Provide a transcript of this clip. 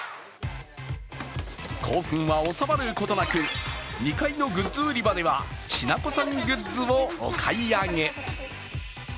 興奮は収まることなく２階のグッズ売り場ではしなこさんグッズをお買い上げ。